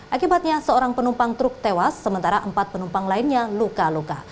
akibatnya seorang penumpang truk tewas sementara empat penumpang lainnya luka luka